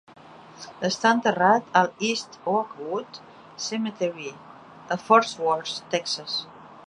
Està enterrat al East Oakwood Cemetery, a Forth Worth, Texas.